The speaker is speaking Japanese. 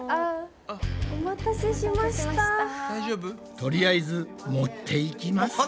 とりあえず持っていきますか。